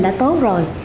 đã tốt rồi